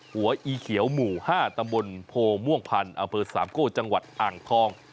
หัวอีเขียวหมู่ห้าตะบลโภม่วงพันธุ์อเบอร์สามโก้จังหวัดอ่างทอง